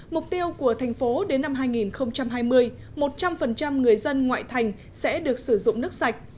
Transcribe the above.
mục tiêu của thành phố đến năm hai nghìn hai mươi một trăm linh người dân ngoại thành sẽ được sử dụng nước sạch